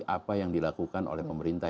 apa yang dilakukan oleh pemerintah